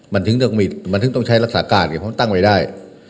มันถึงต้องใช้รักษากาศเพราะมันตั้งไว้ได้